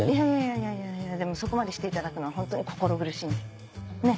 いやいやいやでもそこまでしていただくのはホントに心苦しいんでねっ？